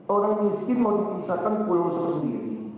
orang miskin mau dipisahkan pulau suruh sendiri